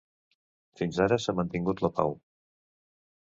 Fins ara s'ha mantingut la pau.